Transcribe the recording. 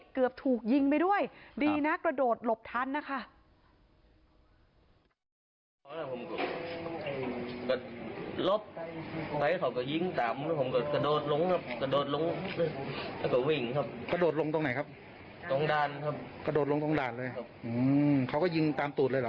เกือบถูกยิงไปด้วยดีนะกระโดดหลบทันนะคะ